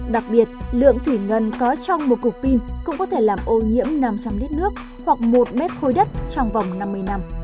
đặc biệt lượng thủy ngân có trong một cục pin cũng có thể làm ô nhiễm năm trăm linh lít nước hoặc một mét khối đất trong vòng năm mươi năm